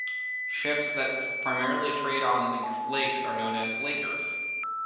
Ships that primarily trade on the lakes are known as "lakers".